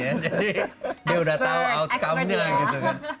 jadi dia udah tau outcome nya gitu kan